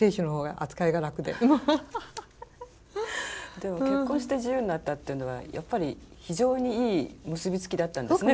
でも結婚して自由になったっていうのはやっぱり非常にいい結び付きだったんですね